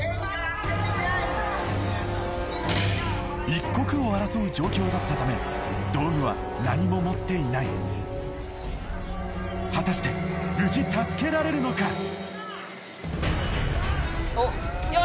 一刻を争う状況だったため道具は何も持っていない果たして無事助けられるのかよ